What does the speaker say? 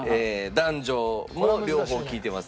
男女も両方聞いてます。